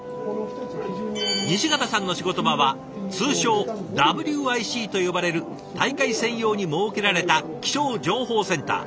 西潟さんの仕事場は通称「ＷＩＣ」と呼ばれる大会専用に設けられた気象情報センター。